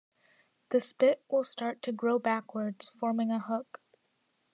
The spit will start to grow backwards, forming a 'hook'.